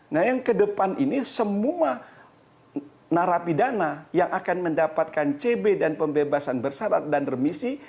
nah yang ke depan ini semua narapi dana yang akan mendapatkan cb dan pembebasan bersyarat dan remisi